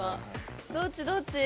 どっちどっち？